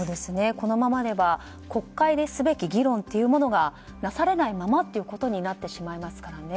このままでは国会ですべき議論がなされないままということになってしまいますからね。